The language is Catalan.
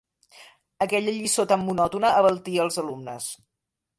Aquella lliçó tan monòtona abaltia els alumnes.